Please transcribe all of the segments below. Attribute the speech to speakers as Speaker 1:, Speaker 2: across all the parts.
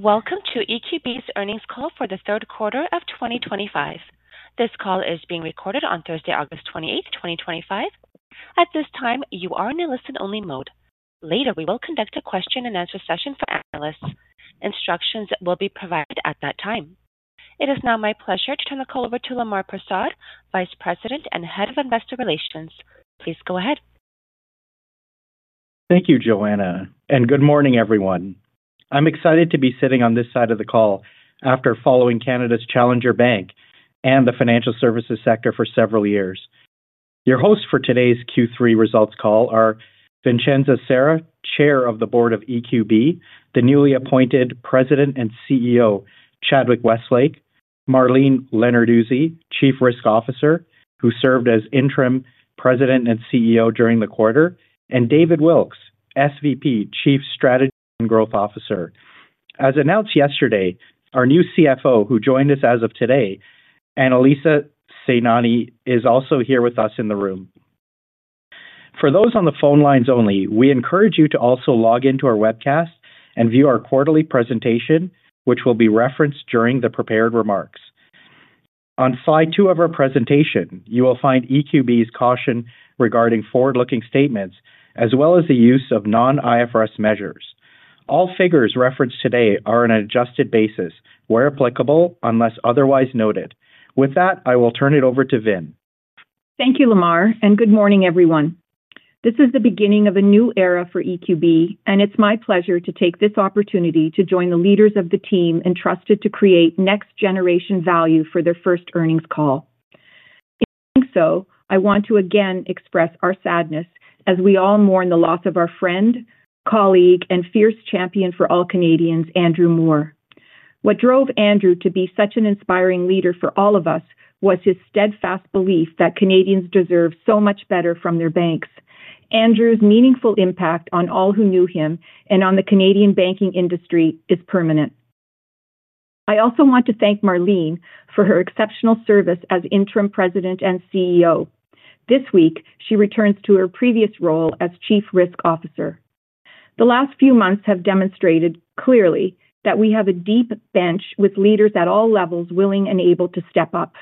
Speaker 1: Welcome to EQB's Earnings C`all for the third quarter of 2025. This call is being recorded on Thursday, August 28th, 2025. At this time, you are in a listen-only mode. Later, we will conduct a question-and-answer session for analysts. Instructions will be provided at that time. It is now my pleasure to turn the call over to Lemar Persaud, Vice President and Head of Investor Relations. Please go ahead.
Speaker 2: Thank you, Joanna, and good morning, everyone. I'm excited to be sitting on this side of the call after following Canada's Challenger Bank and the financial services sector for several years. Your hosts for today's Q3 results call are Vincenza Sera, Chair of the Board of EQB, the newly appointed President and CEO, Chadwick Westlake, Marlene Lenarduzzi, Chief Risk Officer, who served as Interim President and CEO during the quarter, and David Wilkes, SVP, Chief Strategy and Growth Officer. As announced yesterday, our new CFO, who joined us as of today, Anilisa Sainani, is also here with us in the room. For those on the phone lines only, we encourage you to also log in to our webcast and view our quarterly presentation, which will be referenced during the prepared remarks. On slide two of our presentation, you will find EQB's caution regarding forward-looking statements, as well as the use of non-IFRS measures. All figures referenced today are on an adjusted basis where applicable, unless otherwise noted. With that, I will turn it over to Vin.
Speaker 3: Thank you, Lemar, and good morning, everyone. This is the beginning of a new era for EQB, and it's my pleasure to take this opportunity to join the leaders of the team entrusted to create next-generation value for their first earnings call. In doing so, I want to again express our sadness as we all mourn the loss of our friend, colleague, and fierce champion for all Canadians, Andrew Moor. What drove Andrew to be such an inspiring leader for all of us was his steadfast belief that Canadians deserve so much better from their banks. Andrew's meaningful impact on all who knew him and on the Canadian banking industry is permanent. I also want to thank Marlene for her exceptional service as Interim President and CEO. This week, she returns to her previous role as Chief Risk Officer. The last few months have demonstrated clearly that we have a deep bench with leaders at all levels willing and able to step up.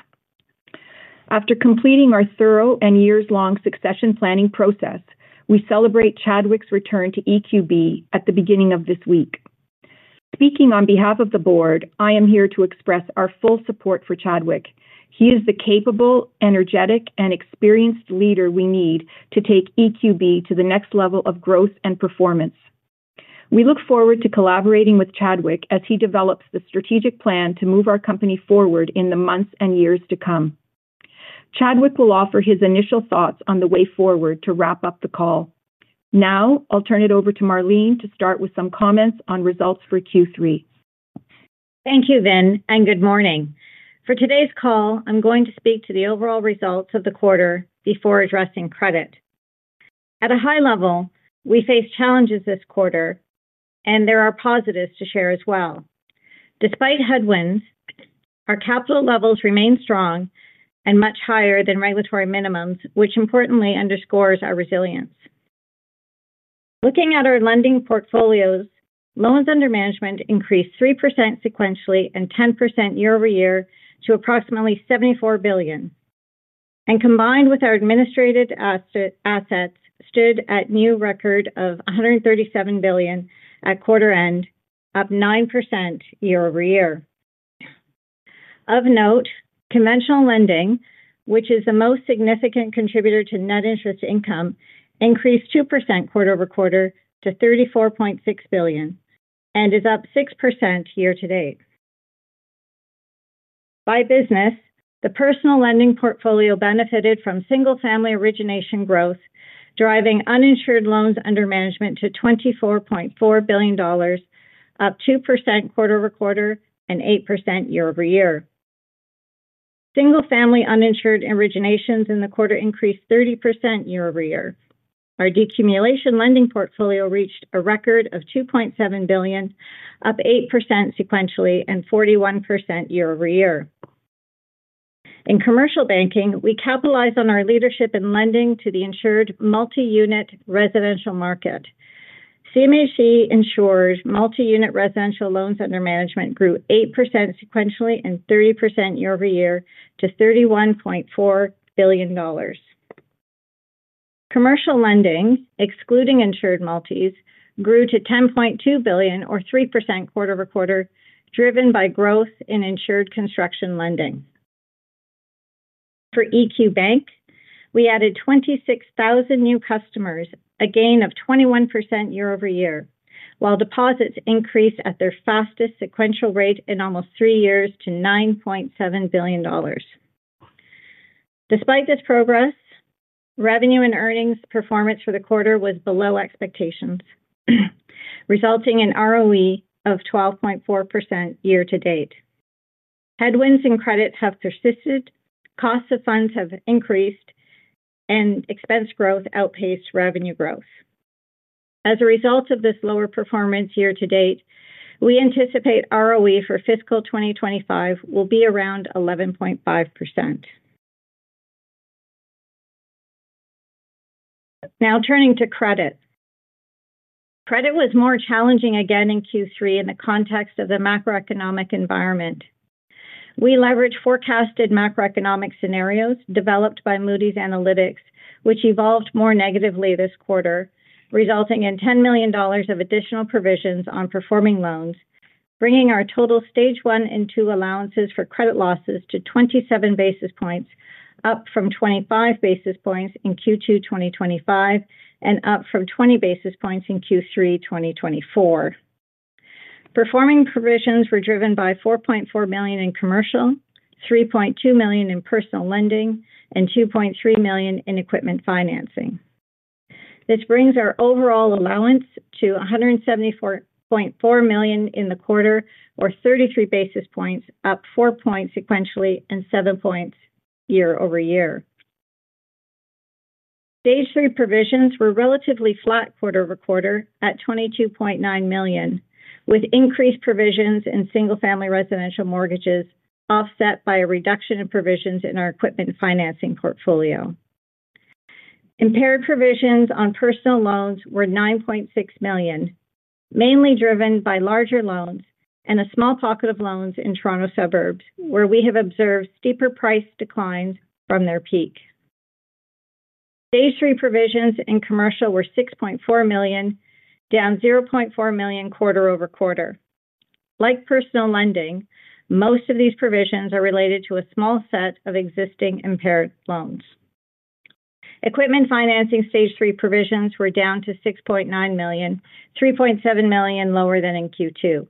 Speaker 3: After completing our thorough and years-long succession planning process, we celebrate Chadwick's return to EQB at the beginning of this week. Speaking on behalf of the Board, I am here to express our full support for Chadwick. He is the capable, energetic, and experienced leader we need to take EQB to the next level of growth and performance. We look forward to collaborating with Chadwick as he develops the strategic plan to move our company forward in the months and years to come. Chadwick will offer his initial thoughts on the way forward to wrap up the call. Now, I'll turn it over to Marlene to start with some comments on results for Q3.
Speaker 4: Thank you, Vin, and good morning. For today's call, I'm going to speak to the overall results of the quarter before addressing credit. At a high level, we faced challenges this quarter, and there are positives to share as well. Despite headwinds, our capital levels remain strong and much higher than regulatory minimums, which importantly underscores our resilience. Looking at our lending portfolios, loans under management increased 3% sequentially and 10% year-over-year to approximately $74 billion. Combined with our administrative assets, we stood at a new record of $137 billion at quarter-end, up 9% year-over-year. Of note, conventional lending, which is the most significant contributor to net interest income, increased 2% quarter-over-quarter to $34.6 billion and is up 6% year to date. By business, the personal lending portfolio benefited from single-family origination growth, driving uninsured loans under management to $24.4 billion, up 2% quarter-over-quarter and 8% year-over-year. Single-family uninsured originations in the quarter increased 30% year-over-year. Our decumulation lending portfolio reached a record of $2.7 billion, up 8% sequentially and 41% year-over-year. In commercial banking, we capitalized on our leadership in lending to the insured multi-unit residential market. CMHC-insured multi-unit residential loans under management grew 8% sequentially and 30% year-over-year to $31.4 billion. Commercial lending, excluding insured multi-units, grew to $10.2 billion, or 3% quarter-over-quarter, driven by growth in insured construction lending. For EQ Bank, we added 26,000 new customers, a gain of 21% year-over-year, while deposits increased at their fastest sequential rate in almost three years to $9.7 billion. Despite this progress, revenue and earnings performance for the quarter was below expectations, resulting in ROE of 12.4% year to date. Headwinds in credit have persisted, costs of funds have increased, and expense growth outpaced revenue growth. As a result of this lower performance year to date, we anticipate ROE for fiscal 2025 will be around 11.5%. Now, turning to credit, credit was more challenging again in Q3 in the context of the macroeconomic environment. We leveraged forecasted macroeconomic scenarios developed by Moody's Analytics, which evolved more negatively this quarter, resulting in $10 million of additional provisions on performing loans, bringing our total Stage I and II allowances for credit losses to 27 basis points, up from 25 basis points in Q2 2025 and up from 20 basis points in Q3 2024. Performing provisions were driven by $4.4 million in commercial, $3.2 million in personal lending, and $2.3 million in equipment financing. This brings our overall allowance to $174.4 million in the quarter, or 33 basis points, up 4 points sequentially and 7 points year-over-year. Stage III provisions were relatively flat quarter-over-quarter at $22.9 million, with increased provisions in single-family residential mortgages offset by a reduction in provisions in our equipment financing portfolio. Impaired provisions on personal loans were $9.6 million, mainly driven by larger loans and a small pocket of loans in Toronto suburbs, where we have observed steeper price declines from their peak. Stage III provisions in commercial were $6.4 million, down $0.4 million quarter-over-quarter. Like personal lending, most of these provisions are related to a small set of existing impaired loans. Equipment financing Stage III provisions were down to $6.9 million, $3.7 million lower than in Q2.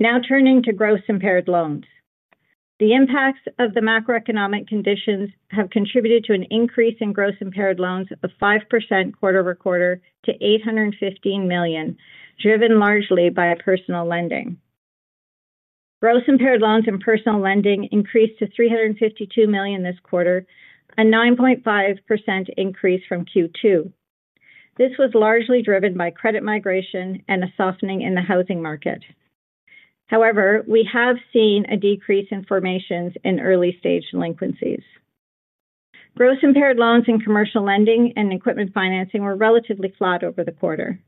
Speaker 4: Now, turning to gross impaired loans. The impacts of the macroeconomic conditions have contributed to an increase in gross impaired loans of 5% quarter-over-quarter to $815 million, driven largely by personal lending. Gross impaired loans in personal lending increased to $352 million this quarter, a 9.5% increase from Q2. This was largely driven by credit migration and a softening in the housing market. However, we have seen a decrease in formations in early-stage delinquencies. Gross impaired loans in commercial lending and equipment financing were relatively flat over the quarter.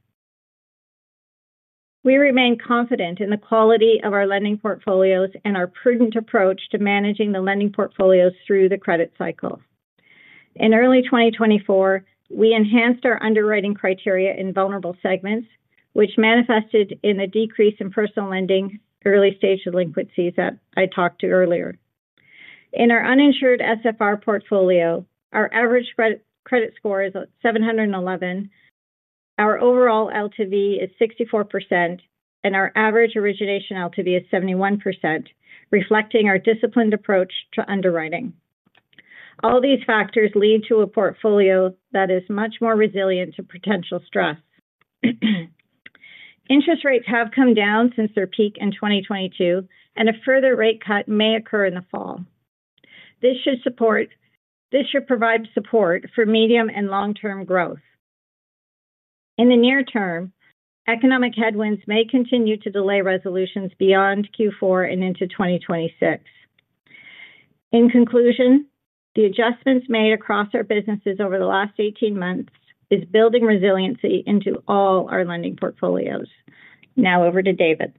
Speaker 4: We remain confident in the quality of our lending portfolios and our prudent approach to managing the lending portfolios through the credit cycle. In early 2024, we enhanced our underwriting criteria in vulnerable segments, which manifested in a decrease in personal lending early-stage delinquencies that I talked to earlier. In our uninsured SFR portfolio, our average credit score is 711, our overall LTV is 64%, and our average origination LTV is 71%, reflecting our disciplined approach to underwriting. All these factors lead to a portfolio that is much more resilient to potential stress. Interest rates have come down since their peak in 2022, and a further rate cut may occur in the fall. This should provide support for medium and long-term growth. In the near term, economic headwinds may continue to delay resolutions beyond Q4 and into 2026. In conclusion, the adjustments made across our businesses over the last 18 months are building resiliency into all our lending portfolios. Now, over to David.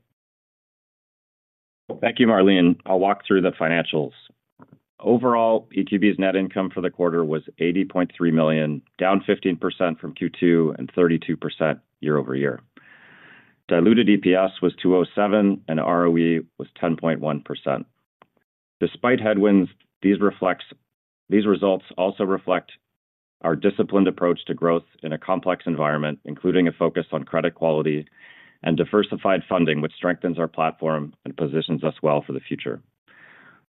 Speaker 5: Thank you, Marlene. I'll walk through the financials. Overall, EQB's net income for the quarter was $80.3 million, down 15% from Q2 and 32% year-over-year. Diluted EPS was $2.07 and ROE was 10.1%. Despite headwinds, these results also reflect our disciplined approach to growth in a complex environment, including a focus on credit quality and diversified funding, which strengthens our platform and positions us well for the future.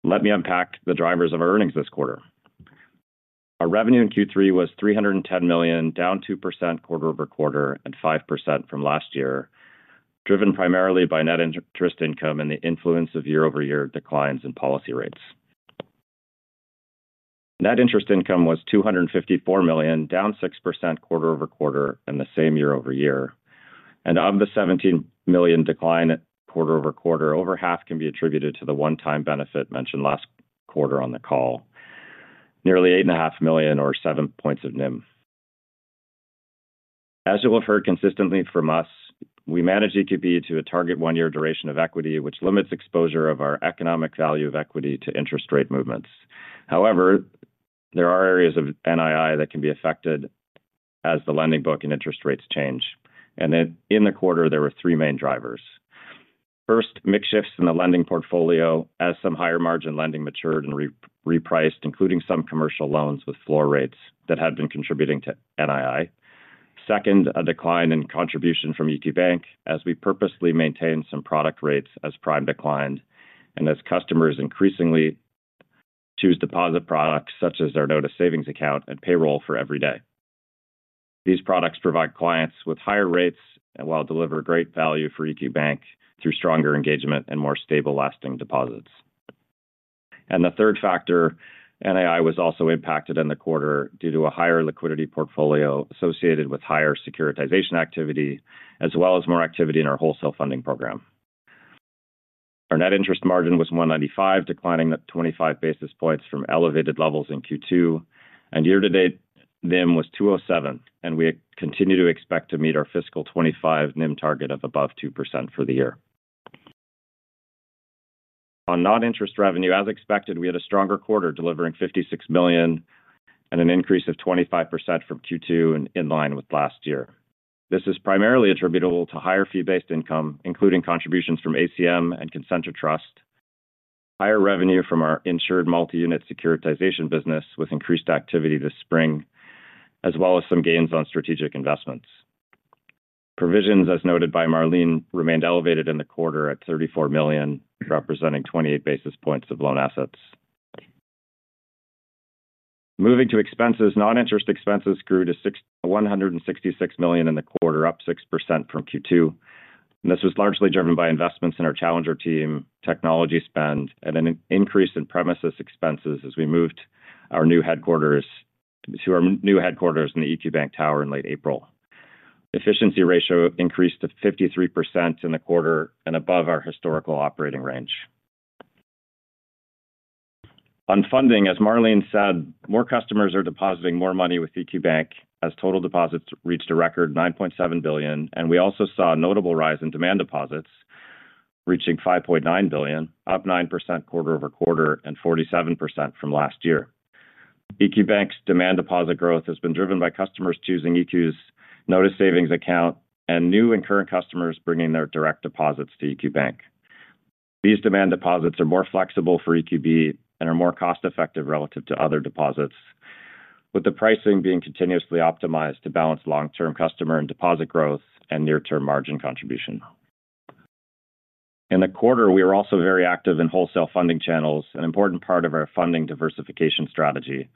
Speaker 5: Let me unpack the drivers of our earnings this quarter. Our revenue in Q3 was $310 million, down 2% quarter-over-quarter and 5% from last year, driven primarily by net interest income and the influence of year-over-year declines in policy rates. Net interest income was $254 million, down 6% quarter-over-quarter and the same year-over-year. Of the $17 million decline quarter-over-quarter, over half can be attributed to the one-time benefit mentioned last quarter on the call, nearly $8.5 million or 7 basis points of NIM. As you will have heard consistently from us, we manage EQB to a target one-year duration of equity, which limits exposure of our economic value of equity to interest rate movements. However, there are areas of NII that can be affected as the lending book and interest rates change. In the quarter, there were three main drivers. First, mix shifts in the lending portfolio as some higher margin lending matured and repriced, including some commercial loans with floor rates that had been contributing to NII. Second, a decline in contribution from EQ Bank as we purposely maintained some product rates as prime declined and as customers increasingly choose deposit products such as their Notice Savings Account and Payroll for Every Day. These products provide clients with higher rates and deliver great value for EQ Bank through stronger engagement and more stable lasting deposits. The third factor, NII was also impacted in the quarter due to a higher liquidity portfolio associated with higher securitization activity, as well as more activity in our wholesale funding program. Our net interest margin was 1.95%, declining 25 basis points from elevated levels in Q2. Year-to-date NIM was 2.07%, and we continue to expect to meet our fiscal 2025 NIM target of above 2% for the year. On non-interest revenue, as expected, we had a stronger quarter delivering $56 million, an increase of 25% from Q2 and in line with last year. This is primarily attributable to higher fee-based income, including contributions from ACM and Concentra Trust, higher revenue from our insured multi-unit securitization business with increased activity this spring, as well as some gains on strategic investments. Provisions, as noted by Marlene, remained elevated in the quarter at $34 million, representing 28 basis points of loan assets. Moving to expenses, non-interest expenses grew to $166 million in the quarter, up 6% from Q2. This was largely driven by investments in our Challenger team, technology spend, and an increase in premises expenses as we moved our new headquarters to our new headquarters in the EQ Bank Tower in late April. The efficiency ratio increased to 53% in the quarter and above our historical operating range. On funding, as Marlene said, more customers are depositing more money with EQ Bank as total deposits reached a record $9.7 billion. We also saw a notable rise in demand deposits reaching $5.9 billion, up 9% quarter-over-quarter and 47% from last year. EQ Bank's demand deposit growth has been driven by customers choosing EQ's Notice Savings Account and new and current customers bringing their direct deposits to EQ Bank. These demand deposits are more flexible for EQB and are more cost-effective relative to other deposits, with the pricing being continuously optimized to balance long-term customer and deposit growth and near-term margin contribution. In the quarter, we were also very active in wholesale funding channels, an important part of our funding diversification strategy.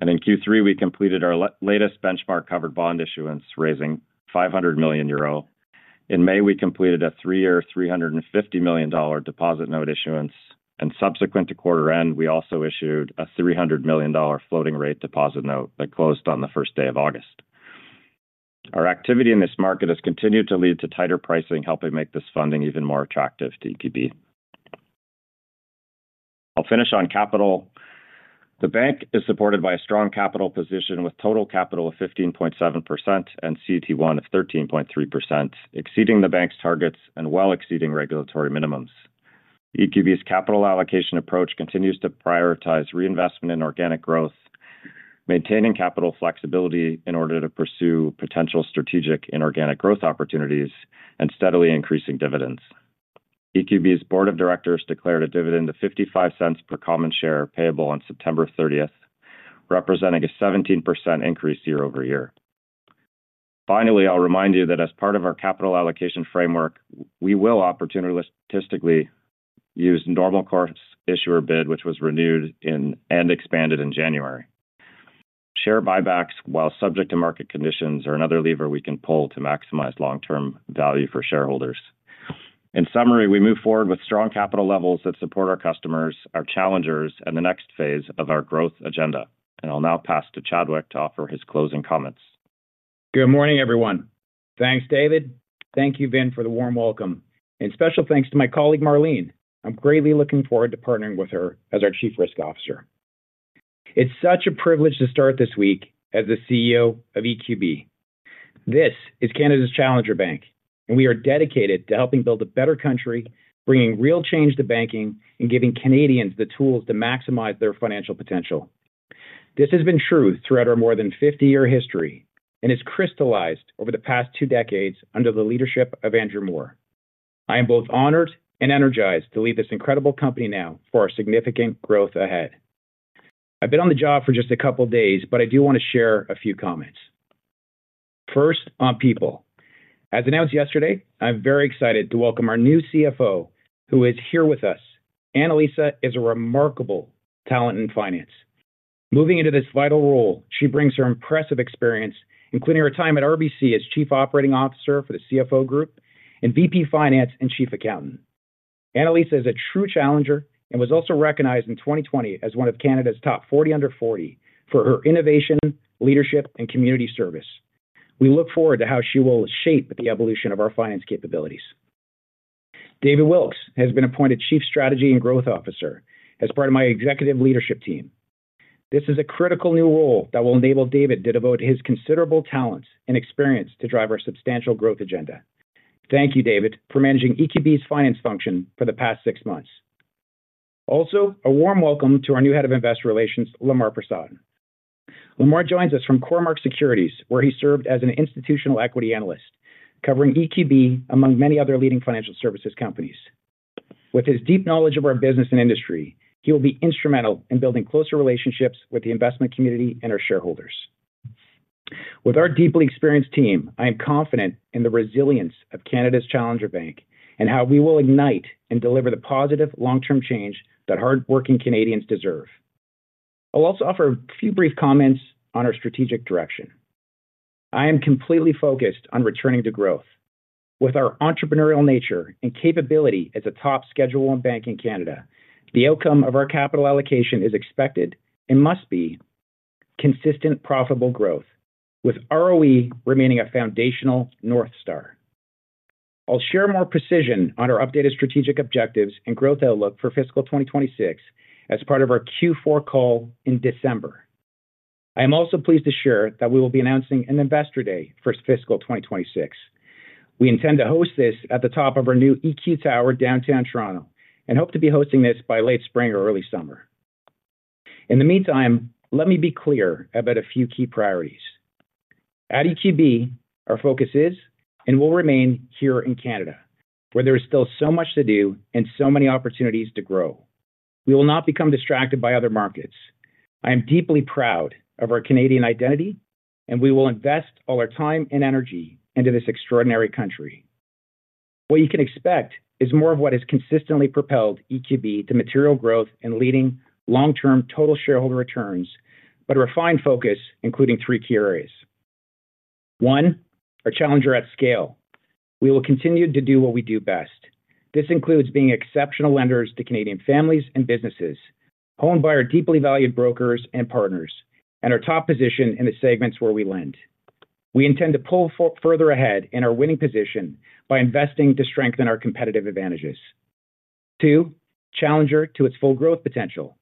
Speaker 5: In Q3, we completed our latest benchmark covered bond issuance, raising 500 million euro. In May, we completed a three-year $350 million deposit note issuance. Subsequent to quarter-end, we also issued a $300 million floating rate deposit note that closed on the first day of August. Our activity in this market has continued to lead to tighter pricing, helping make this funding even more attractive to EQB. I'll finish on capital. The bank is supported by a strong capital position with total capital of 15.7% and CET1 of 13.3%, exceeding the bank's targets and well exceeding regulatory minimums. EQB's capital allocation approach continues to prioritize reinvestment in organic growth, maintaining capital flexibility in order to pursue potential strategic inorganic growth opportunities and steadily increasing dividends. EQB's Board of Directors declared a dividend of $0.55 per common share payable on September 30th, representing a 17% increase year-over-year. Finally, I'll remind you that as part of our capital allocation framework, we will opportunistically use normal course issuer bid, which was renewed and expanded in January. Share buybacks, while subject to market conditions, are another lever we can pull to maximize long-term value for shareholders. In summary, we move forward with strong capital levels that support our customers, our challengers, and the next phase of our growth agenda. I'll now pass to Chadwick to offer his closing comments.
Speaker 6: Good morning, everyone. Thanks, David. Thank you, Vin, for the warm welcome. Special thanks to my colleague, Marlene. I'm greatly looking forward to partnering with her as our Chief Risk Officer. It's such a privilege to start this week as the CEO of EQB. This is Canada's Challenger Bank, and we are dedicated to helping build a better country, bringing real change to banking, and giving Canadians the tools to maximize their financial potential. This has been true throughout our more than 50-year history and has crystallized over the past two decades under the leadership of Andrew Moor. I am both honored and energized to lead this incredible company now for our significant growth ahead. I've been on the job for just a couple of days, but I do want to share a few comments. First, on people. As announced yesterday, I'm very excited to welcome our new CFO, who is here with us. Anilisa is a remarkable talent in finance. Moving into this vital role, she brings her impressive experience, including her time at RBC as Chief Operating Officer for the CFO Group and VP Finance and Chief Accountant. Anilisa is a true challenger and was also recognized in 2020 as one of Canada's Top 40 Under 40 for her innovation, leadership, and community service. We look forward to how she will shape the evolution of our finance capabilities. David Wilkes has been appointed Chief Strategy and Growth Officer as part of my executive leadership team. This is a critical new role that will enable David to devote his considerable talents and experience to drive our substantial growth agenda. Thank you, David, for managing EQB's finance function for the past six months. Also, a warm welcome to our new Head of Investor Relations, Lemar Persaud. Lemar joins us from Cormark Securities, where he served as an Institutional Equity Analyst, covering EQB among many other leading financial services companies. With his deep knowledge of our business and industry, he will be instrumental in building closer relationships with the investment community and our shareholders. With our deeply experienced team, I am confident in the resilience of Canada's Challenger Bank and how we will ignite and deliver the positive long-term change that hardworking Canadians deserve. I'll also offer a few brief comments on our strategic direction. I am completely focused on returning to growth. With our entrepreneurial nature and capability as a top Schedule I bank in Canada, the outcome of our capital allocation is expected and must be consistent, profitable growth, with ROE remaining a foundational north s tar. I'll share more precision on our updated strategic objectives and growth outlook for fiscal 2026 as part of our Q4 call in December. I am also pleased to share that we will be announcing an Investor Day for fiscal 2026. We intend to host this at the top of our new EQ Tower downtown Toronto and hope to be hosting this by late spring or early summer. In the meantime, let me be clear about a few key priorities. At EQB, our focus is and will remain here in Canada, where there is still so much to do and so many opportunities to grow. We will not become distracted by other markets. I am deeply proud of our Canadian identity, and we will invest all our time and energy into this extraordinary country. What you can expect is more of what has consistently propelled EQB to material growth and leading long-term total shareholder returns, but a refined focus, including three key areas. One, our Challenger at scale. We will continue to do what we do best. This includes being exceptional lenders to Canadian families and businesses, owned by our deeply valued brokers and partners, and our top position in the segments where we lend. We intend to pull further ahead in our winning position by investing to strengthen our competitive advantages. Two, Challenger to its full growth potential.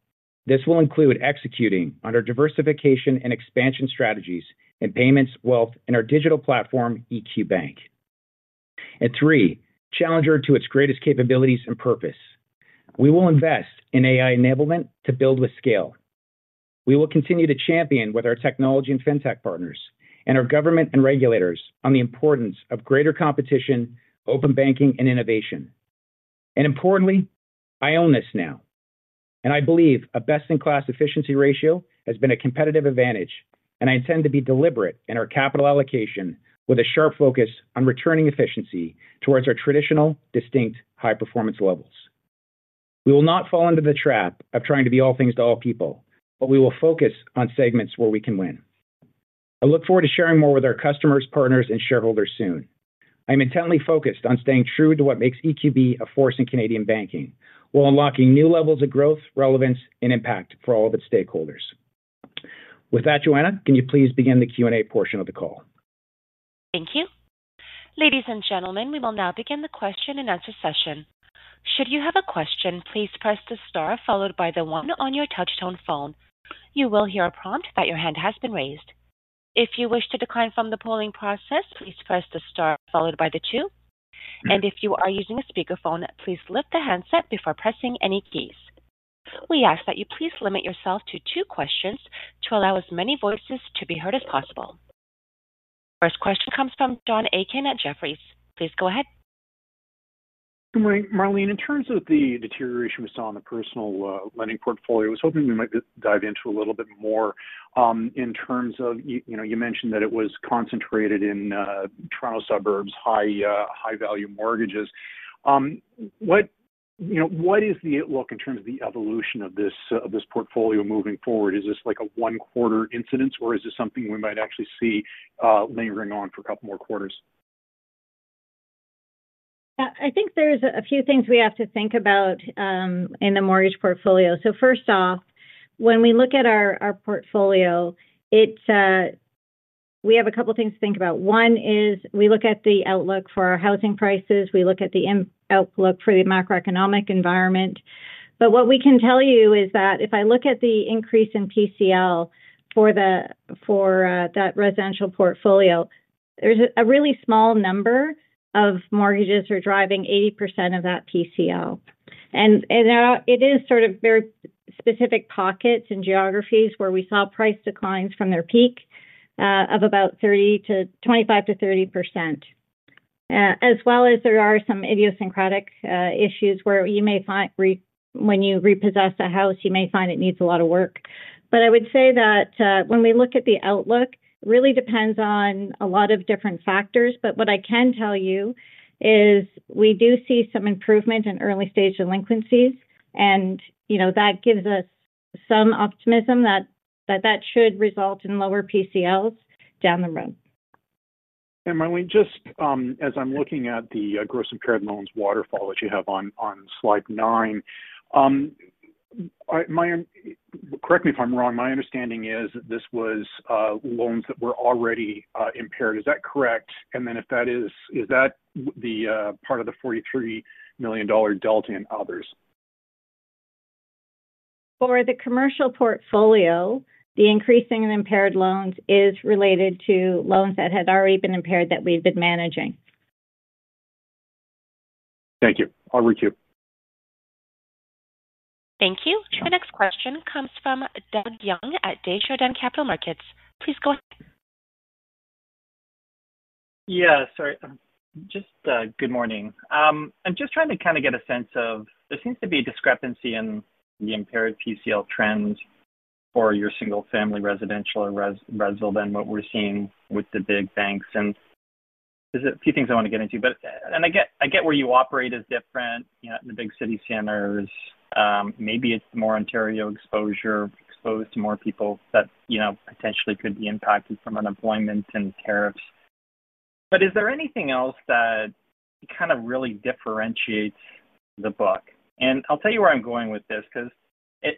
Speaker 6: This will include executing on our diversification and expansion strategies in payments, wealth, and our digital platform, EQ Bank. Three, Challenger to its greatest capabilities and purpose. We will invest in AI enablement to build with scale. We will continue to champion with our technology and fintech partners and our government and regulators on the importance of greater competition, open banking, and innovation. Importantly, I own this now. I believe a best-in-class efficiency ratio has been a competitive advantage, and I intend to be deliberate in our capital allocation with a sharp focus on returning efficiency towards our traditional, distinct high-performance levels. We will not fall into the trap of trying to be all things to all people, but we will focus on segments where we can win. I look forward to sharing more with our customers, partners, and shareholders soon. I am intently focused on staying true to what makes EQB a force in Canadian banking while unlocking new levels of growth, relevance, and impact for all of its stakeholders. With that, Joanna, can you please begin the Q&A portion of the call?
Speaker 1: Thank you. Ladies and gentlemen, we will now begin the question and answer session. Should you have a question, please press the star followed by the one on your touchtone phone. You will hear a prompt that your hand has been raised. If you wish to decline from the polling process, please press the star followed by the two. If you are using a speakerphone, please lift the handset before pressing any keys. We ask that you please limit yourself to two questions to allow as many voices to be heard as possible. First question comes from John Aiken at Jefferies. Please go ahead.
Speaker 7: Marlene, in terms of the deterioration we saw in the personal lending portfolio, I was hoping we might dive into a little bit more in terms of, you know, you mentioned that it was concentrated in Toronto suburbs, high-value mortgages. What is the outlook in terms of the evolution of this portfolio moving forward? Is this like a one-quarter incidence, or is this something we might actually see lingering on for a couple more quarters?
Speaker 4: I think there's a few things we have to think about in the mortgage portfolio. First off, when we look at our portfolio, we have a couple of things to think about. One is we look at the outlook for our housing prices. We look at the outlook for the macroeconomic environment. What we can tell you is that if I look at the increase in PCL for that residential portfolio, there's a really small number of mortgages that are driving 80% of that PCL. It is very specific pockets and geographies where we saw price declines from their peak of about 25%-30%. As well, there are some idiosyncratic issues where you may find when you repossess a house, you may find it needs a lot of work. I would say that when we look at the outlook, it really depends on a lot of different factors. What I can tell you is we do see some improvement in early-stage delinquencies, and you know that gives us some optimism that that should result in lower PCLs down the road.
Speaker 7: Marlene, just as I'm looking at the gross impaired loans waterfall that you have on slide nine, correct me if I'm wrong, my understanding is that this was loans that were already impaired. Is that correct? If that is, is that the part of the $43 million delta in others?
Speaker 4: For the commercial portfolio, the increase in impaired loans is related to loans that had already been impaired that we've been managing.
Speaker 7: Thank you. I'll read to you.
Speaker 1: Thank you. The next question comes from Doug Young at Desjardins Capital Markets. Please go ahead.
Speaker 8: Sorry. Good morning. I'm just trying to kind of get a sense of there seems to be a discrepancy in the impaired PCL trend for your single-family residential or residential than what we're seeing with the big banks. There's a few things I want to get into, but I get where you operate is different in the big city centers. Maybe it's more Ontario exposure, exposed to more people that potentially could be impacted from unemployment and tariffs. Is there anything else that kind of really differentiates the book? I'll tell you where I'm going with this, because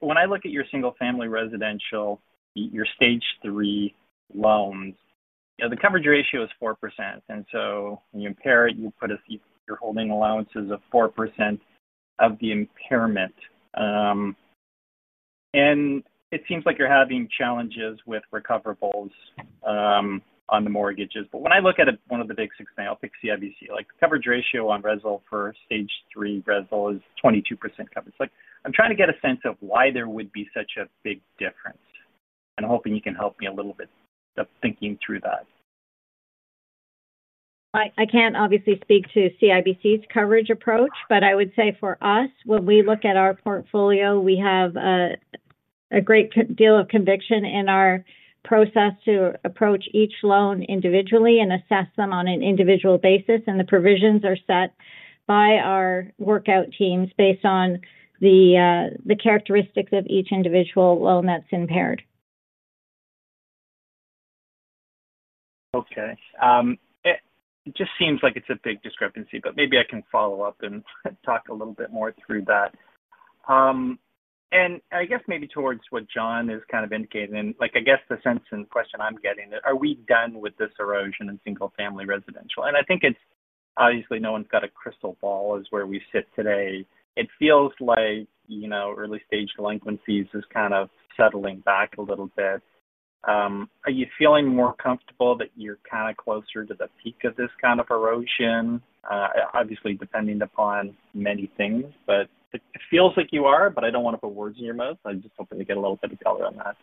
Speaker 8: when I look at your single-family residential, your Stage III loans, the coverage ratio is 4%. When you impair it, you're holding allowances of 4% of the impairment. It seems like you're having challenges with recoverables on the mortgages. When I look at one of the big six now, I'll pick CIBC. The coverage ratio on residential for Stage III residential is 22% coverage. I'm trying to get a sense of why there would be such a big difference. I'm hoping you can help me a little bit of thinking through that.
Speaker 4: I can't obviously speak to CIBC's coverage approach, but I would say for us, when we look at our portfolio, we have a great deal of conviction in our process to approach each loan individually and assess them on an individual basis. The provisions are set by our workout teams based on the characteristics of each individual loan that's impaired.
Speaker 8: Okay. It just seems like it's a big discrepancy, but maybe I can follow up and talk a little bit more through that. I guess maybe towards what John is kind of indicating, like I guess the sense and question I'm getting there, are we done with this erosion in single-family residential? I think it's obviously no one's got a crystal ball as where we sit today. It feels like early-stage delinquencies is kind of settling back a little bit. Are you feeling more comfortable that you're kind of closer to the peak of this kind of erosion? Obviously, depending upon many things, it feels like you are, but I don't want to put words in your mouth. I'm just hoping to get a little bit of color on that.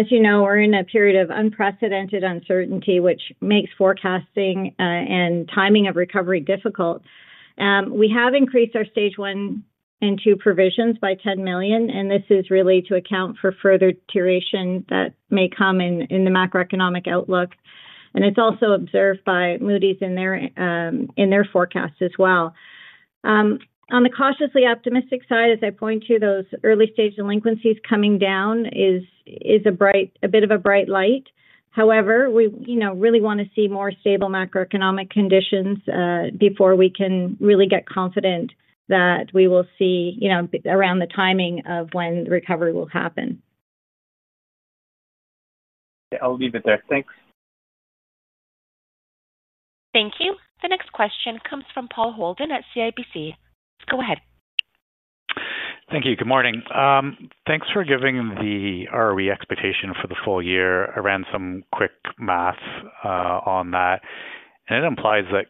Speaker 4: As you know, we're in a period of unprecedented uncertainty, which makes forecasting and timing of recovery difficult. We have increased our Stage I and II provisions by $10 million, and this is really to account for further deterioration that may come in the macroeconomic outlook. It's also observed by Moody's in their forecast as well. On the cautiously optimistic side, as I point to those early-stage delinquencies coming down, it is a bit of a bright light. However, we really want to see more stable macroeconomic conditions before we can really get confident that we will see around the timing of when the recovery will happen.
Speaker 8: I'll leave it there. Thanks.
Speaker 1: Thank you. The next question comes from Paul Holden at CIBC. Go ahead.
Speaker 9: Thank you. Good morning. Thanks for giving the ROE expectation for the full year. I ran some quick math on that, and it implies that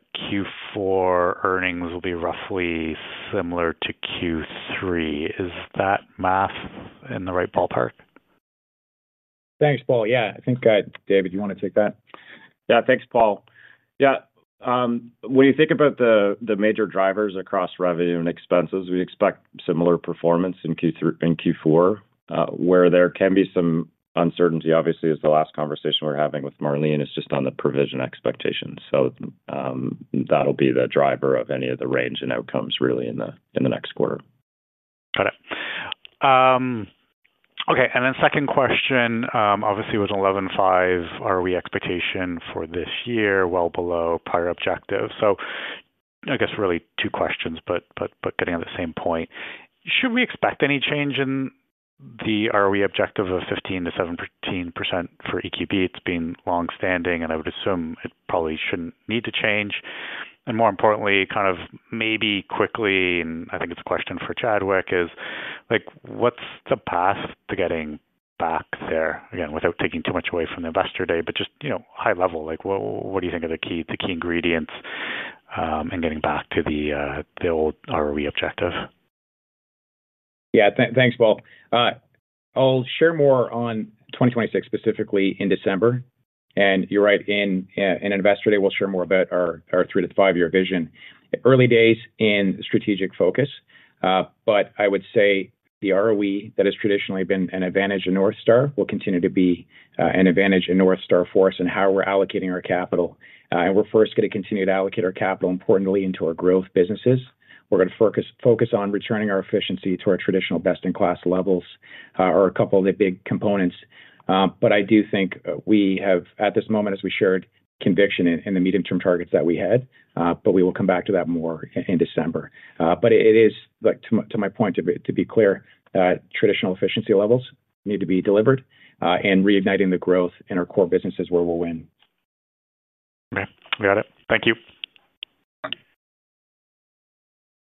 Speaker 9: Q4 earnings will be roughly similar to Q3. Is that math in the right ballpark?
Speaker 6: Thanks, Paul. I think David, do you want to take that?
Speaker 5: Yeah, thanks, Paul. When you think about the major drivers across revenue and expenses, we expect similar performance in Q4. Where there can be some uncertainty, obviously, is the last conversation we're having with Marlene is just on the provision expectation. That'll be the driver of any of the range and outcomes really in the next quarter.
Speaker 9: Got it. Okay. Second question, obviously, was 11.5% ROE expectation for this year, well below prior objective. I guess really two questions, but getting at the same point. Should we expect any change in the ROE objective of 15%-17% for EQB? It's been longstanding, and I would assume it probably shouldn't need to change. More importantly, kind of maybe quickly, and I think it's a question for Chadwick, is like what's the path to getting back there? Again, without taking too much away from the Investor Day, but just high level, like what do you think are the key ingredients in getting back to the old ROE objective?
Speaker 6: Yeah, thanks, Paul. I'll share more on 2026, specifically in December. You're right, in an Investor Day, we'll share more about our three to five-year vision. Early days in strategic focus. I would say the ROE that has traditionally been an advantage in North Star will continue to be an advantage in North Star for us in how we're allocating our capital. We're first going to continue to allocate our capital, importantly, into our growth businesses. We're going to focus on returning our efficiency to our traditional best-in-class levels, which are a couple of the big components. I do think we have, at this moment, as we shared, conviction in the medium-term targets that we had. We will come back to that more in December. It is, to my point, to be clear, that traditional efficiency levels need to be delivered and reigniting the growth in our core businesses is where we'll win.
Speaker 9: Okay, we got it. Thank you.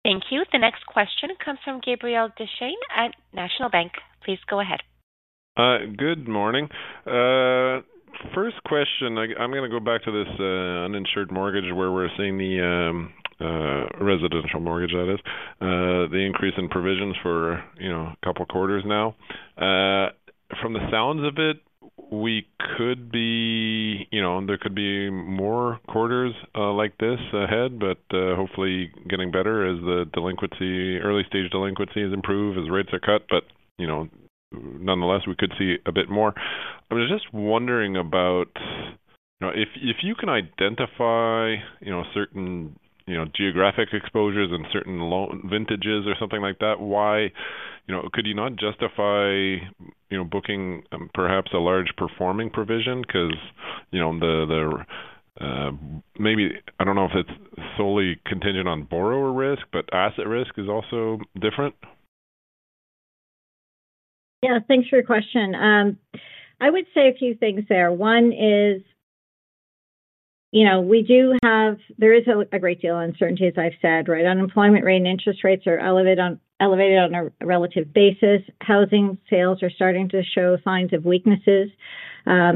Speaker 1: Thank you. The next question comes from Gabriel Dechaine at National Bank. Please go ahead.
Speaker 10: Good morning. First question, I'm going to go back to this uninsured mortgage where we're seeing the residential mortgage, that is, the increase in provisions for a couple of quarters now. From the sounds of it, we could be, you know, there could be more quarters like this ahead, hopefully getting better as the early-stage delinquency has improved as rates are cut. Nonetheless, we could see a bit more. I was just wondering about if you can identify certain geographic exposures and certain loan vintages or something like that, why could you not justify booking perhaps a large performing provision? Because maybe, I don't know if it's solely contingent on borrower risk, but asset risk is also different.
Speaker 4: Yeah, thanks for your question. I would say a few things there. One is, you know, we do have, there is a great deal of uncertainty, as I've said, right? Unemployment rate and interest rates are elevated on a relative basis. Housing sales are starting to show signs of weakness,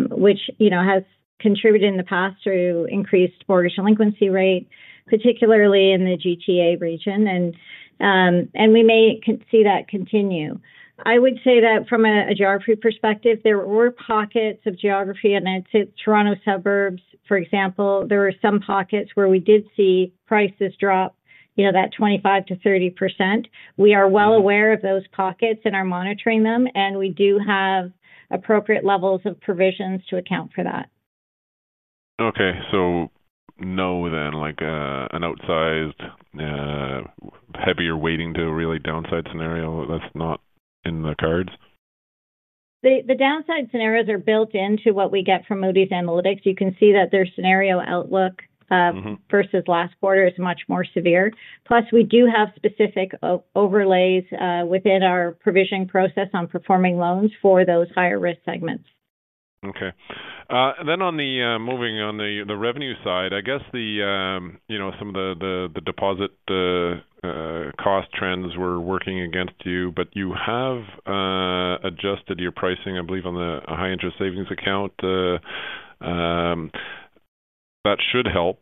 Speaker 4: which, you know, has contributed in the past to increased mortgage delinquency rate, particularly in the GTA region. We may see that continue. I would say that from a geography perspective, there were pockets of geography, and I'd say Toronto suburbs, for example, there were some pockets where we did see prices drop, you know, that 25%-30%. We are well aware of those pockets and are monitoring them, and we do have appropriate levels of provisions to account for that.
Speaker 10: Okay, so no then, like an outsized, heavier weighting to really downside scenario that's not in the cards?
Speaker 4: The downside scenarios are built into what we get from Moody's Analytics. You can see that their scenario outlook versus last quarter is much more severe. Plus, we do have specific overlays within our provision process on performing loans for those higher risk segments.
Speaker 10: On the revenue side, I guess some of the deposit cost trends were working against you, but you have adjusted your pricing, I believe, on the high-interest savings account. That should help.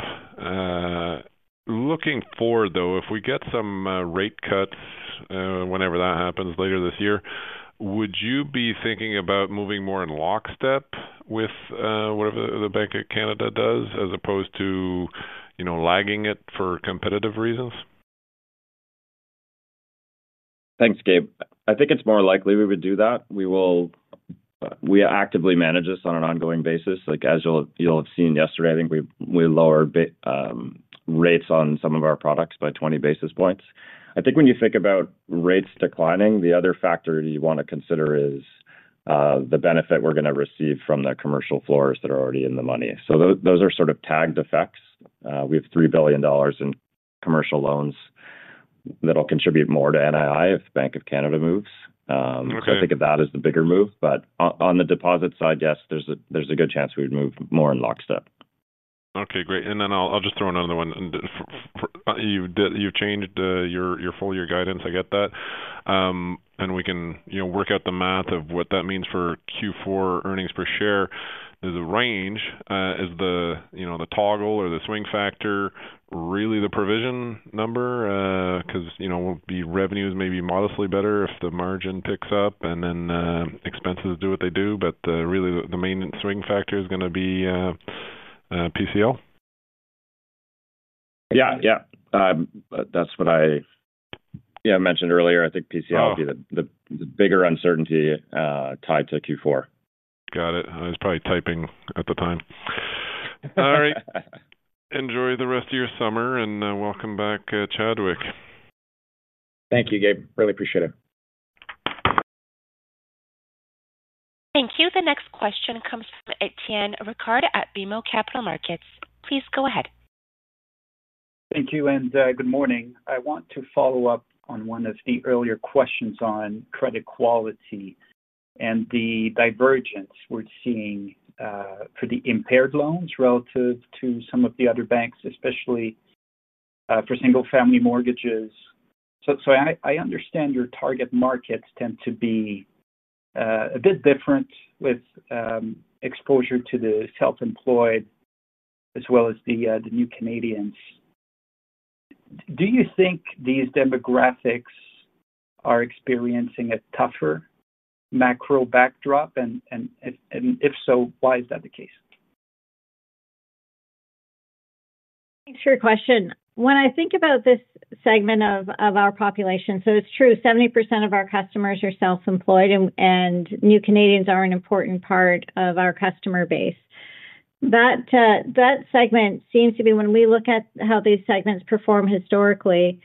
Speaker 10: Looking forward, if we get some rate cuts whenever that happens later this year, would you be thinking about moving more in lockstep with whatever the Bank of Canada does as opposed to lagging it for competitive reasons?
Speaker 5: Thanks, Gabe. I think it's more likely we would do that. We actively manage this on an ongoing basis. As you'll have seen yesterday, I think we lowered rates on some of our products by 20 basis points. When you think about rates declining, the other factor you want to consider is the benefit we're going to receive from the commercial floors that are already in the money. Those are sort of tagged effects. We have $3 billion in commercial loans that will contribute more to NII if Bank of Canada moves. I think of that as the bigger move. On the deposit side, yes, there's a good chance we would move more in lockstep.
Speaker 10: Okay, great. I'll just throw in another one. You've changed your full-year guidance. I get that. We can work out the math of what that means for Q4 earnings per share. The range is the toggle or the swing factor, really the provision number, because revenues may be modestly better if the margin picks up and expenses do what they do. Really, the main swing factor is going to be PCL.
Speaker 5: Yeah, yeah. That's what I mentioned earlier. I think PCL would be the bigger uncertainty tied to Q4.
Speaker 10: Got it. I was probably typing at the time. All right. Enjoy the rest of your summer and welcome back, Chadwick.
Speaker 6: Thank you, Gabe. Really appreciate it.
Speaker 1: Thank you. The next question comes from Etienne Ricard at BMO Capital Markets. Please go ahead.
Speaker 11: Thank you and good morning. I want to follow up on one of the earlier questions on credit quality and the divergence we're seeing for the impaired loans relative to some of the other banks, especially for single-family mortgages. I understand your target markets tend to be a bit different with exposure to the self-employed as well as the new Canadians. Do you think these demographics are experiencing a tougher macro backdrop? If so, why is that the case?
Speaker 4: Thanks for your question. When I think about this segment of our population, it's true, 70% of our customers are self-employed and new Canadians are an important part of our customer base. That segment seems to be, when we look at how these segments perform historically,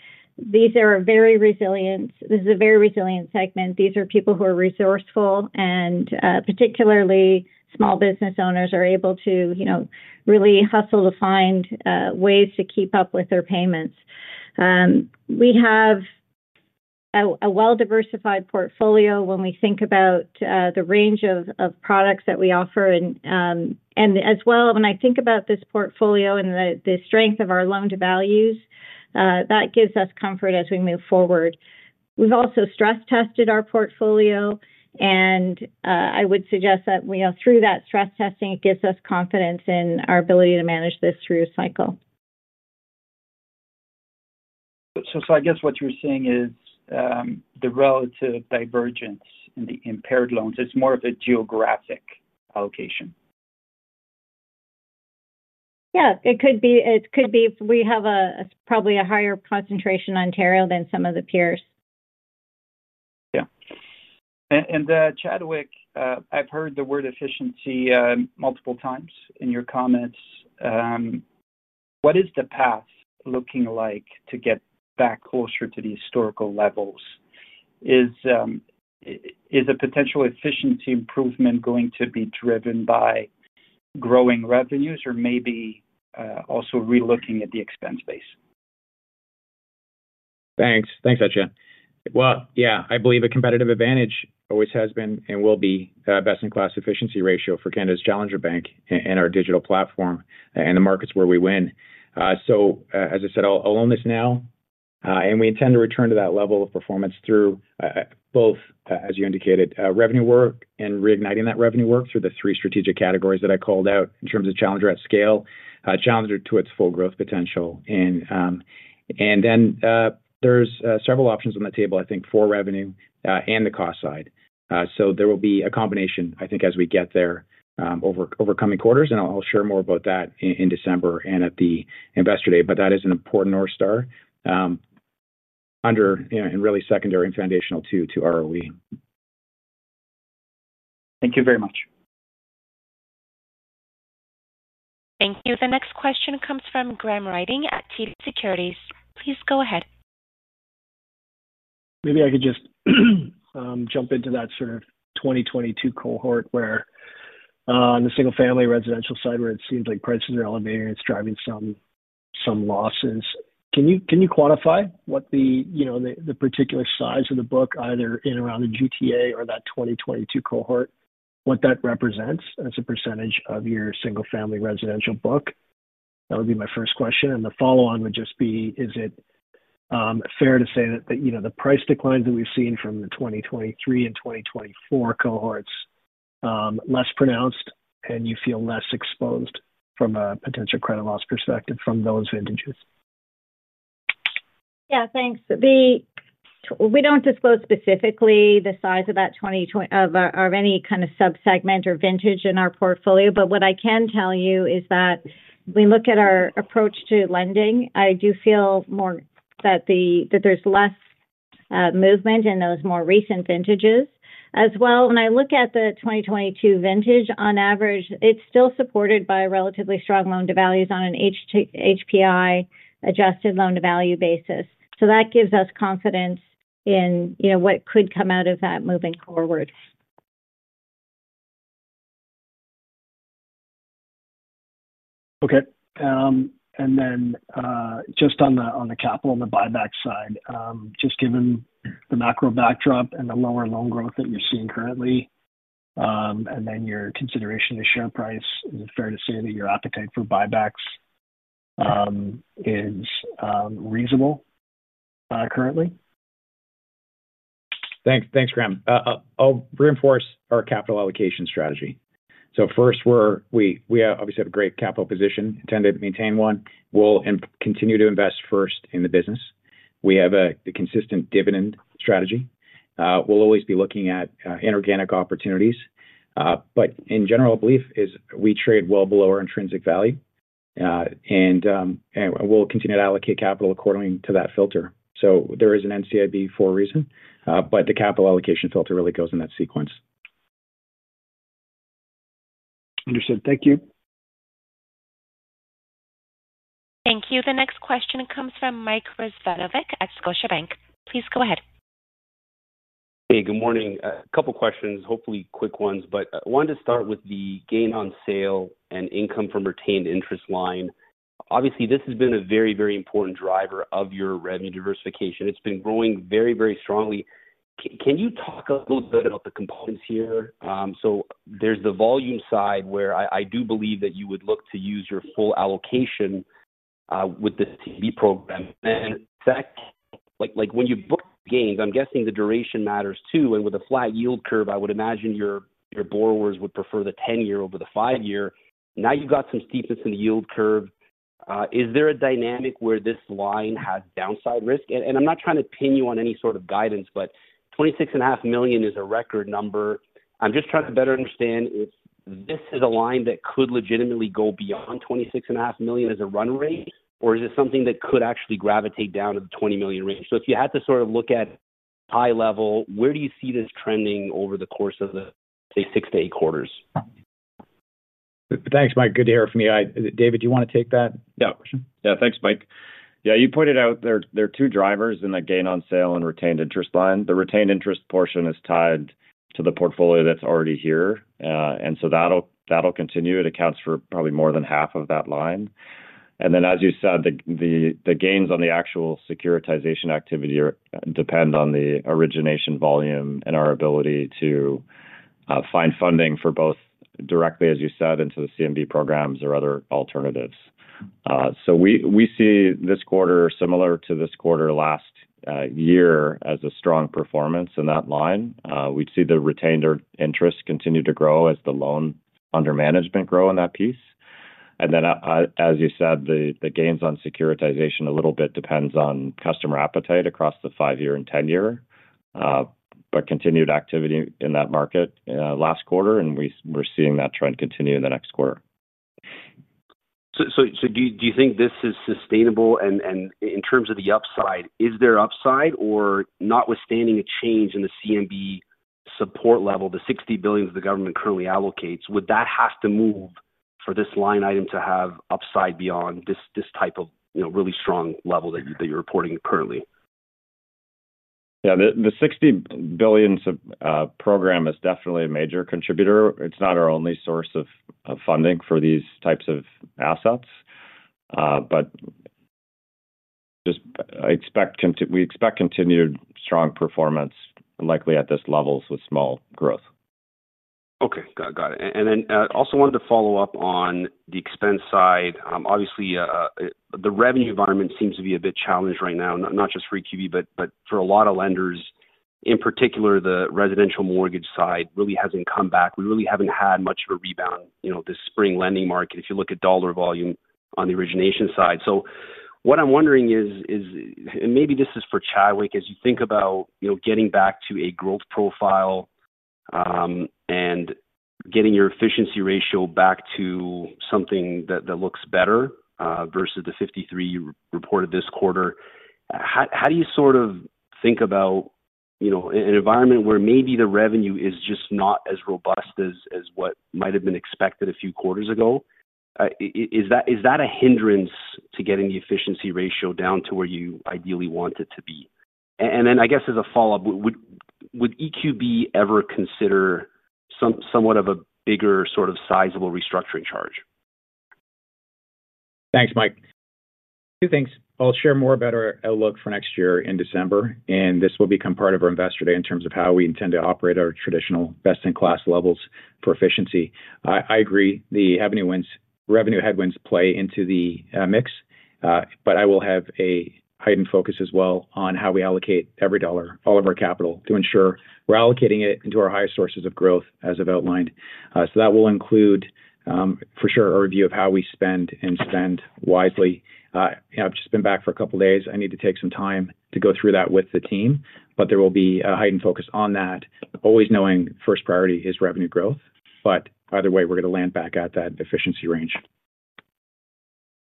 Speaker 4: very resilient. This is a very resilient segment. These are people who are resourceful, and particularly small business owners are able to really hustle to find ways to keep up with their payments. We have a well-diversified portfolio when we think about the range of products that we offer. As well, when I think about this portfolio and the strength of our loan to values, that gives us comfort as we move forward. We've also stress-tested our portfolio, and I would suggest that through that stress testing, it gives us confidence in our ability to manage this through cycle.
Speaker 11: I guess what you're saying is the relative divergence in the impaired loans is more of a geographic allocation.
Speaker 4: Yeah, it could be. We have probably a higher concentration in Ontario than some of the peers.
Speaker 11: Yeah. Chadwick, I've heard the word efficiency multiple times in your comments. What is the path looking like to get back closer to the historical levels? Is a potential efficiency improvement going to be driven by growing revenues or maybe also relooking at the expense base?
Speaker 6: Thanks. Thanks, Etienne. I believe a competitive advantage always has been and will be a best-in-class efficiency ratio for Canada's Challenger Bank and our digital platform and the markets where we win. As I said, I'll own this now. We intend to return to that level of performance through both, as you indicated, revenue work and reigniting that revenue work through the three strategic categories that I called out in terms of Challenger at scale, Challenger to its full growth potential. There are several options on the table, I think, for revenue and the cost side. There will be a combination, I think, as we get there over coming quarters. I'll share more about that in December and at the Investor Day. That is an important North Star under and really secondary and foundational to ROE.
Speaker 11: Thank you very much.
Speaker 1: Thank you. The next question comes from Graham Ryding at TD Securities. Please go ahead.
Speaker 12: Maybe I could just jump into that sort of 2022 cohort where on the single-family residential side, where it seems like prices are elevated and it's driving some losses. Can you quantify what the particular size of the book, either in around the GTA or that 2022 cohort, what that represents as a percentage of your single-family residential book? That would be my first question. The follow-on would just be, is it fair to say that the price declines that we've seen from the 2023 and 2024 cohorts are less pronounced and you feel less exposed from a potential credit loss perspective from those vintages?
Speaker 4: Yeah, thanks. We don't disclose specifically the size of that 2020 or any kind of subsegment or vintage in our portfolio. What I can tell you is that we look at our approach to lending. I do feel more that there's less movement in those more recent vintages as well. When I look at the 2022 vintage, on average, it's still supported by a relatively strong loan to values on an HPI-adjusted loan-to-value basis. That gives us confidence in what could come out of that moving forward.
Speaker 12: Okay. Just on the capital and the buyback side, given the macro backdrop and the lower loan growth that you're seeing currently, and your consideration to share price, is it fair to say that your appetite for buybacks is reasonable currently?
Speaker 6: Thanks, Graham. I'll reinforce our capital allocation strategy. First, we obviously have a great capital position, intended to maintain one. We'll continue to invest first in the business. We have a consistent dividend strategy. We'll always be looking at inorganic opportunities. In general, our belief is we trade well below our intrinsic value, and we'll continue to allocate capital according to that filter. There is an NCIB for a reason. The capital allocation filter really goes in that sequence.
Speaker 12: Understood. Thank you.
Speaker 1: Thank you. The next question comes from Mike Rizvanovic at Scotiabank. Please go ahead.
Speaker 13: Hey, good morning. A couple of questions, hopefully quick ones, but I wanted to start with the gain on sale and income from retained interest line. Obviously, this has been a very, very important driver of your revenue diversification. It's been growing very, very strongly. Can you talk a little bit about the components here? There's the volume side where I do believe that you would look to use your full allocation with the CMD program. In fact, when you book gains, I'm guessing the duration matters too. With a flat yield curve, I would imagine your borrowers would prefer the 10-year over the 5-year. Now you've got some steepness in the yield curve. Is there a dynamic where this line has downside risk? I'm not trying to pin you on any sort of guidance, but $26.5 million is a record number. I'm just trying to better understand if this is a line that could legitimately go beyond $26.5 million as a run rate, or is it something that could actually gravitate down to the $20 million range? If you had to sort of look at high level, where do you see this trending over the course of the, say, six to eight quarters?
Speaker 6: Thanks, Mike. Good to hear from you. David, do you want to take that question?
Speaker 5: Yeah, thanks, Mike. You pointed out there are two drivers in the gain on sale and retained interest line. The retained interest portion is tied to the portfolio that's already here, and that'll continue. It accounts for probably more than half of that line. As you said, the gains on the actual securitization activity depend on the origination volume and our ability to find funding for both directly, as you said, into the CMB programs or other alternatives. We see this quarter, similar to this quarter last year, as a strong performance in that line. We see the retained interest continue to grow as the loans under management grow in that piece. As you said, the gains on securitization a little bit depend on customer appetite across the 5-year and 10-year, but continued activity in that market last quarter, and we're seeing that trend continue in the next quarter.
Speaker 13: Do you think this is sustainable? In terms of the upside, is there upside or notwithstanding a change in the CMB support level, the $60 billion that the government currently allocates, would that have to move for this line item to have upside beyond this type of really strong level that you're reporting currently?
Speaker 5: Yeah, the $60 billion program is definitely a major contributor. It's not our only source of funding for these types of assets, but we expect continued strong performance and likely at this level with small growth.
Speaker 13: Okay, got it. I also wanted to follow up on the expense side. Obviously, the revenue environment seems to be a bit challenged right now, not just for EQB, but for a lot of lenders. In particular, the residential mortgage side really hasn't come back. We really haven't had much of a rebound this spring lending market if you look at dollar volume on the origination side. What I'm wondering is, and maybe this is for Chadwick, as you think about getting back to a growth profile and getting your efficiency ratio back to something that looks better versus the 53% you reported this quarter, how do you sort of think about an environment where maybe the revenue is just not as robust as what might have been expected a few quarters ago? Is that a hindrance to getting the efficiency ratio down to where you ideally want it to be? As a follow-up, would EQB ever consider somewhat of a bigger sort of sizable restructuring charge?
Speaker 6: Thanks, Mike. Two things. I'll share more about our outlook for next year in December, and this will become part of our Investor Day in terms of how we intend to operate our traditional best-in-class levels for efficiency. I agree the revenue headwinds play into the mix, but I will have a heightened focus as well on how we allocate every dollar, all of our capital to ensure we're allocating it into our highest sources of growth as I've outlined. That will include, for sure, a review of how we spend and spend wisely. I've just been back for a couple of days. I need to take some time to go through that with the team, but there will be a heightened focus on that, always knowing first priority is revenue growth. Either way, we're going to land back at that efficiency range.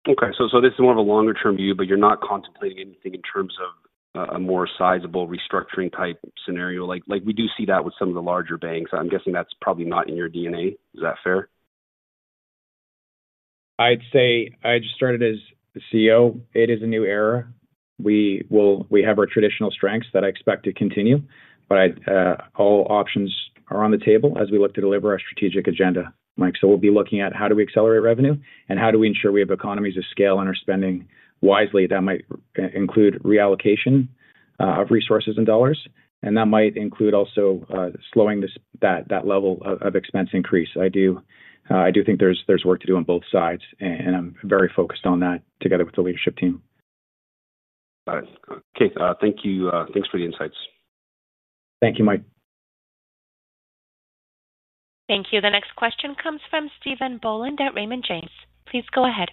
Speaker 13: Okay, so this is more of a longer-term view, but you're not contemplating anything in terms of a more sizable restructuring type scenario. Like we do see that with some of the larger banks. I'm guessing that's probably not in your DNA. Is that fair?
Speaker 6: I'd say I just started as CEO. It is a new era. We have our traditional strengths that I expect to continue, but all options are on the table as we look to deliver our strategic agenda, Mike. We'll be looking at how do we accelerate revenue and how do we ensure we have economies of scale and are spending wisely. That might include reallocation of resources and dollars, and that might include also slowing that level of expense increase. I do think there's work to do on both sides, and I'm very focused on that together with the leadership team.
Speaker 13: Got it. Okay, thank you. Thanks for the insights.
Speaker 6: Thank you, Mike.
Speaker 1: Thank you. The next question comes from Stephen Boland at Raymond James. Please go ahead.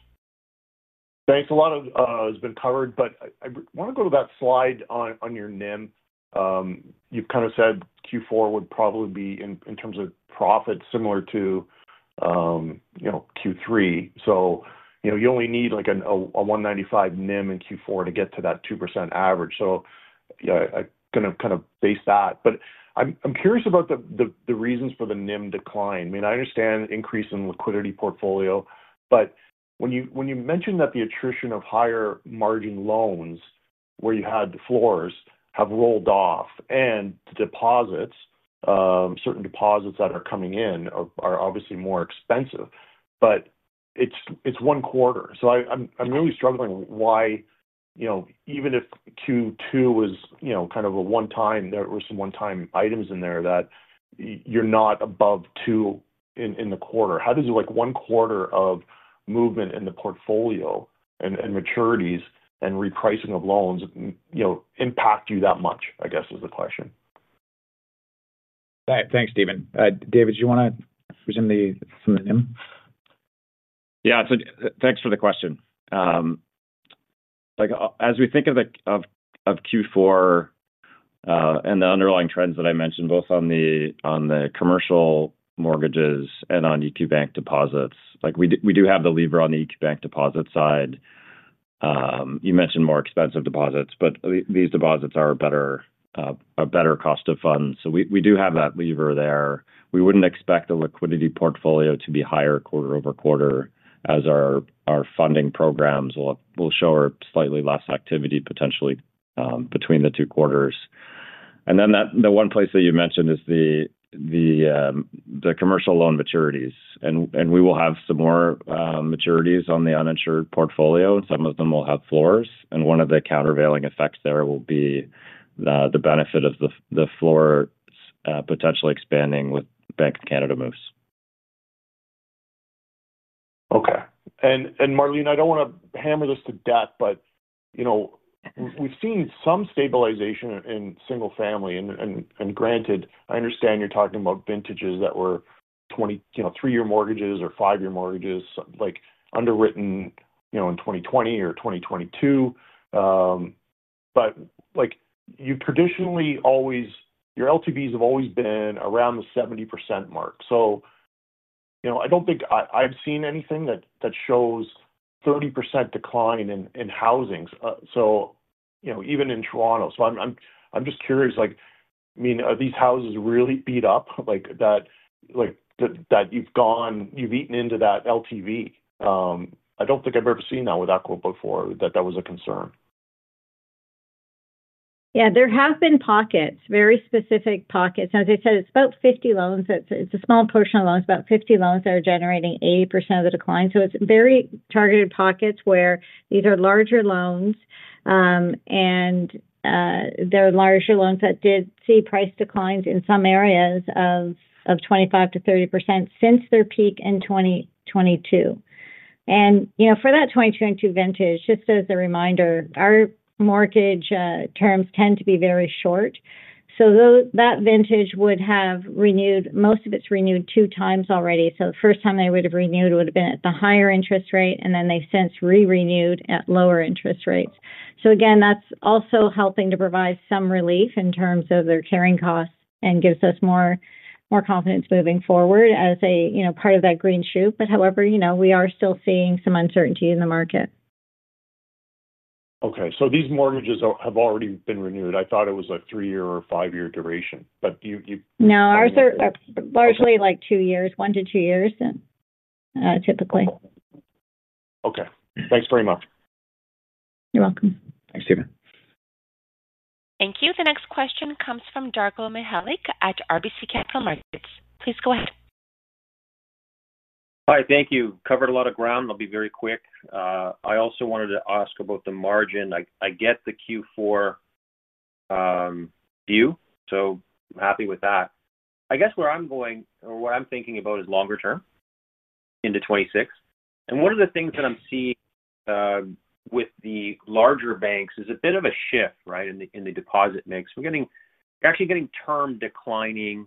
Speaker 14: Thanks. A lot has been covered, but I want to go to that slide on your NIM. You've kind of said Q4 would probably be in terms of profit similar to Q3. You only need like a 1.95% NIM in Q4 to get to that 2% average. I'm going to kind of base that. I'm curious about the reasons for the NIM decline. I understand the increase in liquidity portfolio, but when you mentioned that the attrition of higher margin loans where you had the floors have rolled off and the deposits, certain deposits that are coming in are obviously more expensive, it's one quarter. I'm really struggling why, even if Q2 was kind of a one-time, there were some one-time items in there that you're not above 2% in the quarter. How does one quarter of movement in the portfolio and maturities and repricing of loans impact you that much, I guess, is the question.
Speaker 6: Thanks, Stephen. David, do you want to resume the NIM?
Speaker 5: Yeah, thanks for the question. As we think of Q4 and the underlying trends that I mentioned, both on the commercial mortgages and on EQ Bank deposits, we do have the lever on the EQ Bank deposit side. You mentioned more expensive deposits, but these deposits are a better cost of funds. We do have that lever there. We wouldn't expect a liquidity portfolio to be higher quarter over quarter as our funding programs will show slightly less activity potentially between the two quarters. The one place that you mentioned is the commercial loan maturities. We will have some more maturities on the uninsured portfolio. Some of them will have floors. One of the countervailing effects there will be the benefit of the floors potentially expanding with Bank of Canada moves.
Speaker 14: Okay. Marlene, I don't want to hammer this to death, but we've seen some stabilization in single family. I understand you're talking about vintages that were 20-year, three-year mortgages or five-year mortgages, like underwritten in 2020 or 2022. You traditionally always, your LTVs have always been around the 70% mark. I don't think I've seen anything that shows 30% decline in housings, even in Toronto. I'm just curious, are these houses really beat up, that you've gone, you've eaten into that LTV? I don't think I've ever seen that with EQB before, that that was a concern.
Speaker 4: Yeah, there have been pockets, very specific pockets. As I said, it's about 50 loans. It's a small portion of loans, about 50 loans that are generating 80% of the decline. It is very targeted pockets where these are larger loans. There are larger loans that did see price declines in some areas of 25%-30% since their peak in 2022. For that 2022 vintage, just as a reminder, our mortgage terms tend to be very short. That vintage would have renewed, most of it's renewed 2x already. The first time they would have renewed would have been at the higher interest rate, and then they've since re-renewed at lower interest rates. That is also helping to provide some relief in terms of their carrying costs and gives us more confidence moving forward as a part of that green shoe. However, we are still seeing some uncertainty in the market.
Speaker 14: Okay, so these mortgages have already been renewed. I thought it was a three-year or five-year duration, but you.
Speaker 4: No, ours are largely like two years, one to two years typically.
Speaker 14: Okay, thanks very much.
Speaker 4: You're welcome.
Speaker 6: Thanks, Stephen.
Speaker 1: Thank you. The next question comes from Darko Mihelic at RBC Capital Markets. Please go ahead.
Speaker 15: Hi, thank you. Covered a lot of ground. I'll be very quick. I also wanted to ask about the margin. I get the Q4 view, so I'm happy with that. I guess where I'm going or what I'm thinking about is longer term into 2026. One of the things that I'm seeing with the larger banks is a bit of a shift, right, in the deposit mix. We're actually getting term declining,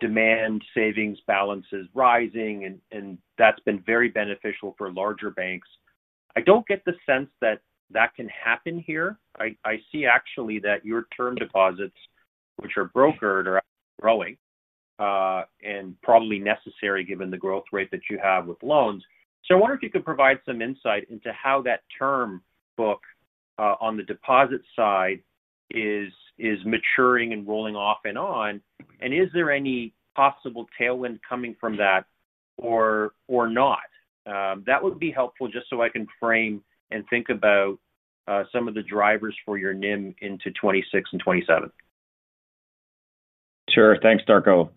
Speaker 15: demand savings balances rising, and that's been very beneficial for larger banks. I don't get the sense that that can happen here. I see actually that your term deposits, which are brokered, are growing and probably necessary given the growth rate that you have with loans. I wonder if you could provide some insight into how that term book on the deposit side is maturing and rolling off and on, and is there any possible tailwind coming from that or not. That would be helpful just so I can frame and think about some of the drivers for your NIM into 2026 and 2027.
Speaker 5: Sure, thanks, Darko.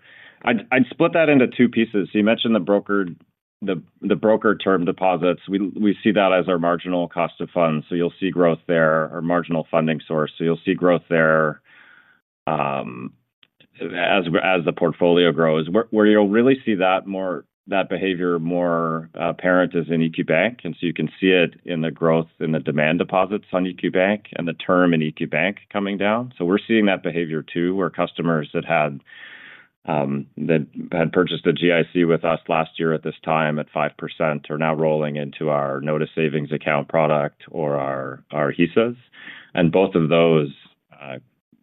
Speaker 5: I'd split that into two pieces. You mentioned the brokered term deposits. We see that as our marginal cost of funds. You'll see growth there, our marginal funding source. You'll see growth there as the portfolio grows, where you'll really see that behavior more apparent is in EQ Bank. You can see it in the growth in the demand deposits on EQ Bank and the term in EQ Bank coming down. We're seeing that behavior too, where customers that had purchased a GIC with us last year at this time at 5% are now rolling into our notice savings account product or our HESAs. Both of those,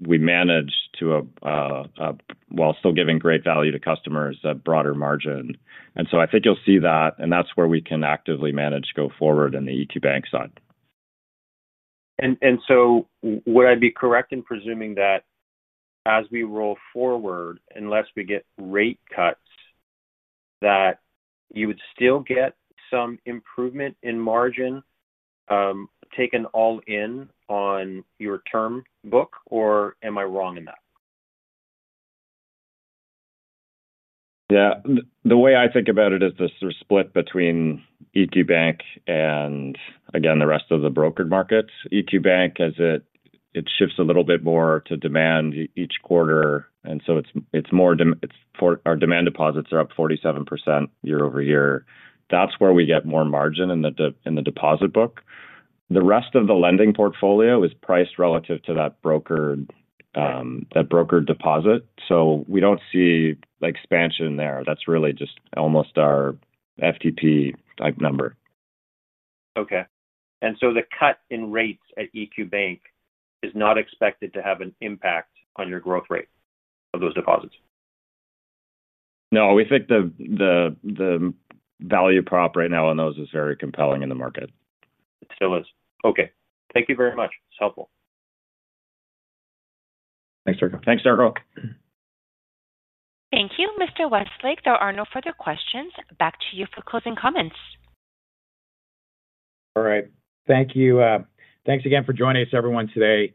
Speaker 5: we manage to, while still giving great value to customers, a broader margin. I think you'll see that, and that's where we can actively manage to go forward in the EQ Bank side.
Speaker 15: Would I be correct in presuming that as we roll forward, unless we get rate cuts, you would still get some improvement in margin taken all in on your term book, or am I wrong in that?
Speaker 5: Yeah, the way I think about it is this sort of split between EQ Bank and again, the rest of the brokered markets. EQ Bank, as it shifts a little bit more to demand each quarter, and so our demand deposits are up 47% year-over-year. That's where we get more margin in the deposit book. The rest of the lending portfolio is priced relative to that brokered deposit. We don't see expansion there. That's really just almost our FTP type number.
Speaker 15: Okay. The cut in rates at EQ Bank is not expected to have an impact on your growth rate of those deposits?
Speaker 5: No, we think the value prop right now on those is very compelling in the market.
Speaker 15: It still is. Okay, thank you very much. It's helpful.
Speaker 5: Thanks, Darko.
Speaker 6: Thanks, Darko.
Speaker 1: Thank you, Mr. Westlake. There are no further questions. Back to you for closing comments.
Speaker 6: All right. Thank you. Thanks again for joining us, everyone, today.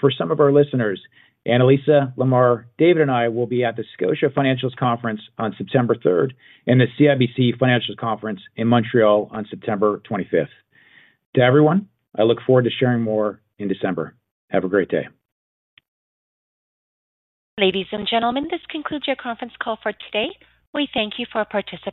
Speaker 6: For some of our listeners, Anilisa, Lemar, David, and I will be at the Scotia Financials Conference on September 3rd and the CIBC Financials Conference in Montreal on September 25th. To everyone, I look forward to sharing more in December. Have a great day.
Speaker 1: Ladies and gentlemen, this concludes your conference call for today. We thank you for participating.